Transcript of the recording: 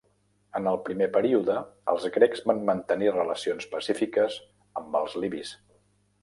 En el primer període, els grecs van mantenir relacions pacífiques amb els libis.